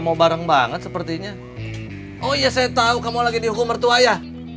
oh iya saya tau kamu lagi dihukum bertuaya